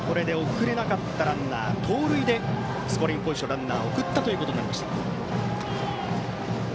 送れなかったランナー盗塁でスコアリングポジションに送ったということになりました。